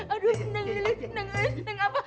aduh nengelis nengelis nengapa